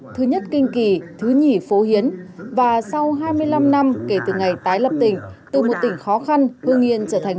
thứ nhất kinh kỳ thứ nhì phố hiến và sau hai mươi năm năm kể từ ngày tái lập tỉnh từ một tỉnh khó khăn hương yên trở thành